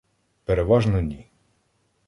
— Переважно ні.